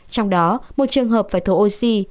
trong đó một trường hợp phải thổ oxy